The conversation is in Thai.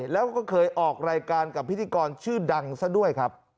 แล้วก็เคยออกรายการกับพิธีกรชื่อดังซะด้วยครับ